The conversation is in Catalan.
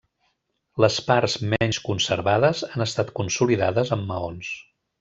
Les parts menys conservades han estat consolidades amb maons.